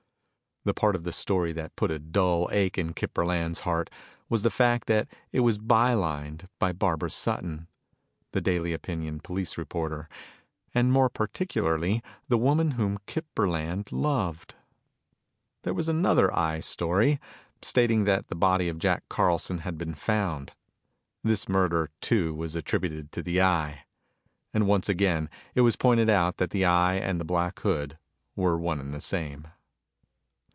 The part of the story that put a dull ache in Kip Burland's heart was the fact that it was by lined by Barbara Sutton, The Daily Opinion police reporter and more particularly the woman whom Kip Burland loved. There was another "Eye" story, stating that the body of Jack Carlson had been found. This murder, too, was attributed to the Eye. And once again it was pointed out that the Eye and the Black Hood were one and the same.